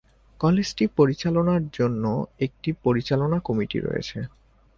কলেজটি পরিচালনার জন্য একটি পরিচালনা কমিটি রয়েছে।